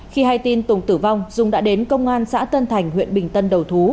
khi hay tin tùng tử vong dung đã đến công an xã tân thành huyện bình tân đầu thú